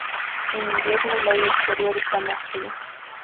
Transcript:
En invierno, el aire exterior está más frío.